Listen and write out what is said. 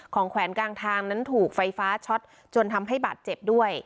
แขวนกลางทางนั้นถูกไฟฟ้าช็อตจนทำให้บาดเจ็บด้วย